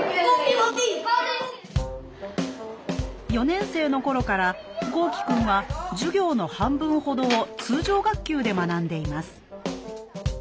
４年生の頃から豪輝くんは授業の半分ほどを通常学級で学んでいます。